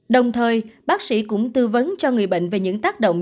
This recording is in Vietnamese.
đồng thời bác sĩ cũng tư vấn cho người bệnh về những tác động